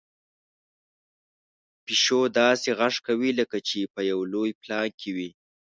پيشو داسې غږ کوي لکه چې په یو لوی پلان کې وي.